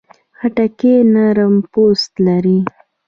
خټکی نرم پوست لري.